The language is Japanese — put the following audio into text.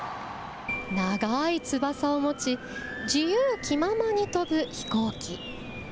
長い翼を持ち、自由気ままに飛ぶ飛行機。